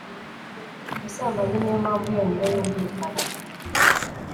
ubusambanyi ni yo mpamvu yonyine yumvikana